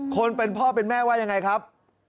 คนเป็นพ่อเป็นแม่ว่ายังไงครับ